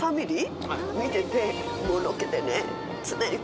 見ててもうロケでね。